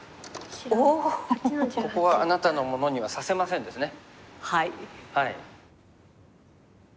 「ここはあなたのものにはさせません」ですね。